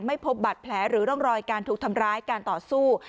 พบบัตรแผลหรือร่องรอยการถูกทำร้ายการต่อสู้